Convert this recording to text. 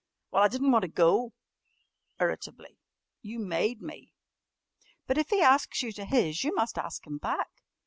"Well, I didn't want to go," irritably, "you made me." "But if he asks you to his you must ask him back."